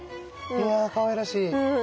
いやかわいらしい。